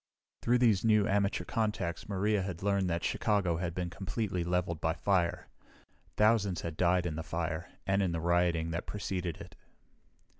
Through these new amateur contacts Maria had learned that Chicago had been completely leveled by fire. Thousands had died in the fire and in the rioting that preceded it.